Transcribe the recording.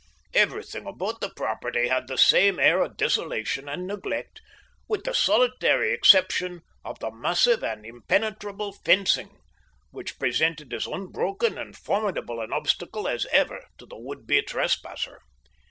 Everything about the property had the same air of desolation and neglect, with the solitary exception of the massive and impenetrable fencing, which presented as unbroken and formidable an obstacle as ever to the would be trespasser.